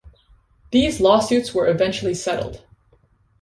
These lawsuits were eventually settled.